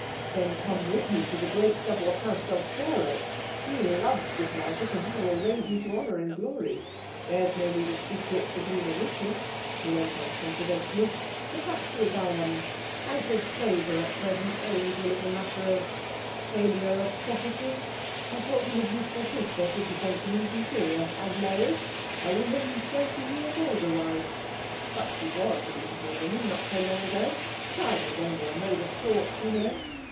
"Then come with me to the great double house of Pharaoh. He loves good magic, and he will raise you to honour and glory. There's no need of secrets between initiates," he went on confidentially. "The fact is, I am out of favour at present owing to a little matter of failure of prophecy. I told him a beautiful princess would be sent to him from Syria, and, lo! a woman thirty years old arrived. But she was a beautiful woman not so long ago. Time is only a mode of thought, you know."